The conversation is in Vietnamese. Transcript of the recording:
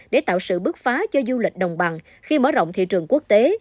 để tạo sự bước phá cho du lịch đồng bằng khi mở rộng thị trường quốc tế